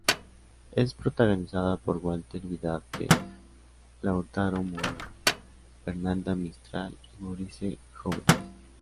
Es protagonizada por Walter Vidarte, Lautaro Murúa, Fernanda Mistral y Maurice Jouvet.